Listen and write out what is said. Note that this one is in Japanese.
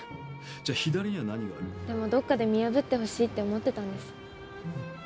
じゃあ左には何がある？でもどっかで見破ってほしいって思ってたんです。